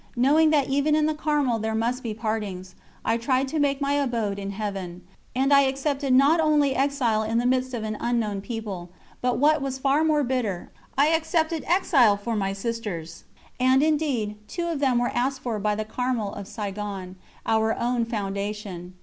Knowing that even in the Carmel there must be partings, I tried to make my abode in Heaven; and I accepted not only exile in the midst of an unknown people, but what was far more bitter, I accepted exile for my sisters. And indeed, two of them were asked for by the Carmel of Saïgon, our own foundation.